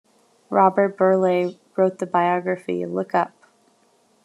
Robert Burleigh wrote the biography Look Up!